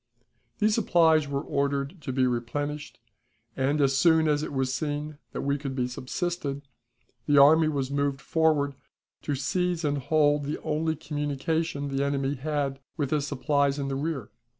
These supplies were ordered to be replenished, and, as soon as it was seen that we could be subsisted, the army was moved forward to seize and hold the only communication the enemy had with his supplies in the rear.